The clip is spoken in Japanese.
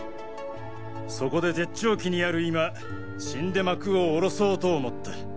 そこで絶頂期にある今死んで幕を下ろそうと思った。